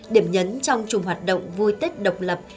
điểm nhấn trong chùm hoạt động vui tết độc lập